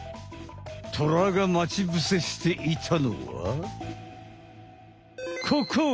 トラが待ち伏せしていたのはここ！